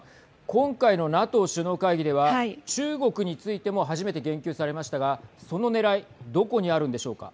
今回のＮＡＴＯ首脳会議では中国についても初めて言及されましたがそのねらいどこにあるんでしょうか。